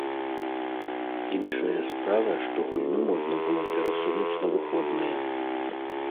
Іншая справа, што гульню можна было перасунуць на выходныя.